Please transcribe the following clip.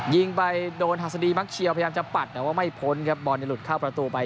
ยิงไปโดนหัสดีมักเชียวพยายามจะปัดแต่ว่าไม่พ้นครับบอลหลุดเข้าประตูไป